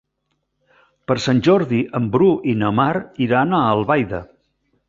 Per Sant Jordi en Bru i na Mar iran a Albaida.